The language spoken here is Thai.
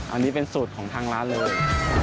อันนี้เป็นสูตรของทางร้านเลย